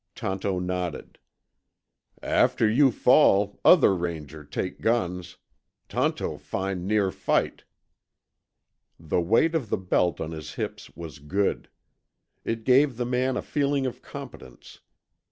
Tonto nodded. "After you fall, other Ranger take guns. Tonto find near fight." The weight of the belt on his hips was good. It gave the man a feeling of competence.